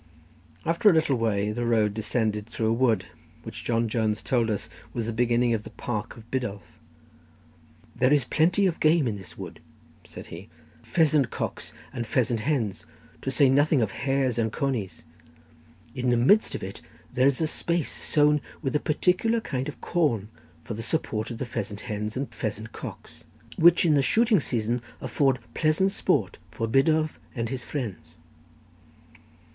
After a little way the road descended through a wood, which John Jones told us was the beginning of the "Park of Biddulph." "There is plenty of game in this wood," said he; "pheasant cocks and pheasant hens, to say nothing of hares and coneys; and in the midst of it there is a space sown with a particular kind of corn for the support of the pheasant hens and pheasant cocks, which in the shooting season afford pleasant sport for Biddulph and his friends."